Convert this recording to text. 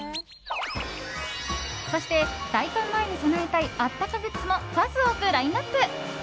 そして、大寒前に備えたいあったかグッズも数多くラインアップ！